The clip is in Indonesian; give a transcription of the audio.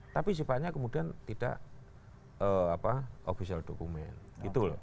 tapi sifatnya kemudian tidak official document